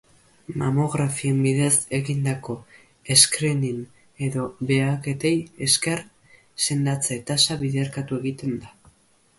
Mamografien bidez egindako screening edo baheketei esker, sendatze tasa biderkatu egiten da.